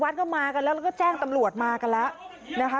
บางตอนก็มีอาการเกลี้ยวกราษต่อว่าพระต่อว่าชาวบ้านที่มายืนล้อมอยู่แบบนี้ค่ะ